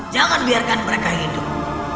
jangan biarkan mereka hidup